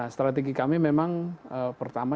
strategi kami memang pertama